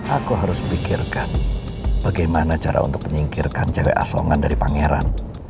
aku harus mikirkan bagaimana cara untuk menyingkirkan cewek asongan dari pangeran